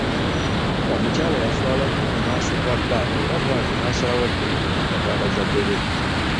Omukyala yaswaala nnyo mu maaso ga bba era bwatyo n'asalawo addeyo mu maka ga bazadde be.